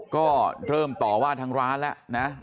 ก็เริ่มต่อว่าทางร้านแล้วนะ